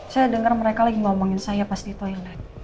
saya dengar mereka lagi ngomongin saya pas di toilet